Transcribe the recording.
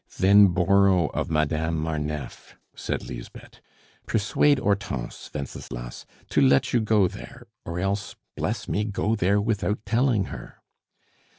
"Then borrow of Madame Marneffe," said Lisbeth. "Persuade Hortense, Wenceslas, to let you go there, or else, bless me! go there without telling her."